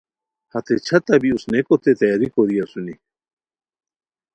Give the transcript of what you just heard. ہتے چھتہ بی اوسنئیکوتے تیاری کوری اسونی